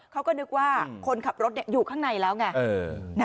เขาก็นึกว่าคนขับรถอยู่ข้างในแล้วไง